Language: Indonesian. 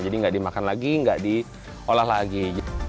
jadi gak dimakan lagi gak diolah lagi